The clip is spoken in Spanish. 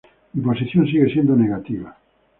Mi posición sigue siendo negativa.